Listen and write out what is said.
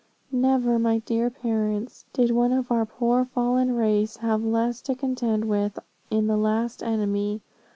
"Never, my dear parents, did one of our poor fallen race have less to contend with, in the last enemy.